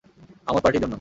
আমোদ পার্টির জন্য!